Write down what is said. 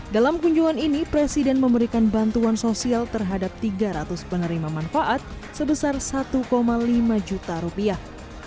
dalam kunjungan ini presiden memberikan bantuan sosial terhadap tiga ratus penerima manfaat sebesar satu lima juta rupiah